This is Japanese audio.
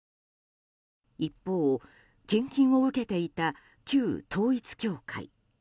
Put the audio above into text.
一方、献金を受けていた旧統一教会。